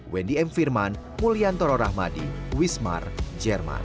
wendy m firman mulyantoro rahmadi wismar jerman